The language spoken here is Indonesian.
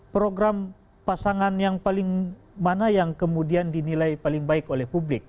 program pasangan yang paling mana yang kemudian dinilai paling baik oleh publik